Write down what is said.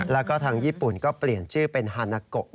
แล้วก็ทางญี่ปุ่นก็เปลี่ยนชื่อเป็นฮานาโก